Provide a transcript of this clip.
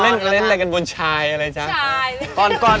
เรามาเล่นระยะกันบนชายอะไรจ๊ะคุณเฮ้มชาย